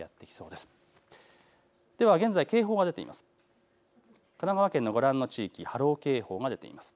では現在、警報が出ています。